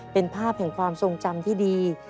เป็นภาพแห่งความทรงจำที่ดี